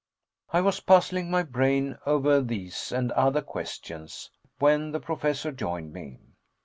I was puzzling my brain over these and other questions, when the Professor joined me.